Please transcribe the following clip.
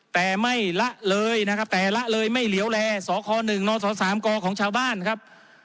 แต่ไม่ละเลยนะครับแต่ละเลยไม่เหลวแลสค๑นส๓กของชาวบ้านครับ